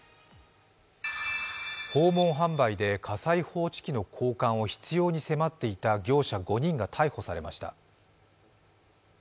訪問販売で火災報知器の交換を執拗に迫っていた業者５人が逮捕されました。